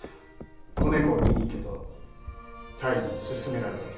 「子猫を見に行け」と泰にすすめられたと。